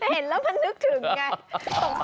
เห็นแล้วมันนึกถึงไง